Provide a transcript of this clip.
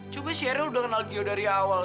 coba sheryl udah kenal gio dari awal